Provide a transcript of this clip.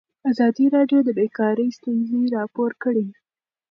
ازادي راډیو د بیکاري ستونزې راپور کړي.